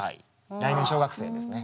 来年小学生ですね。